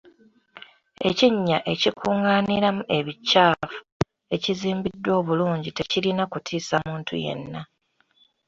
Ekinnya ekikungaaniamu ebikyafu ekizimbiddwa obulungi tekirina kutiisa muntu yenna.